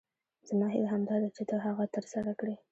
زما هیله همدا ده چې ته هغه تر سره کړې.